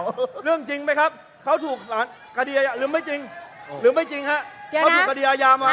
อเจมส์เรื่องจริงมั้ยครับเขาถูกกระดียายาลืมไม่จริงลืมไม่จริงครับเขาถูกกระดียายามา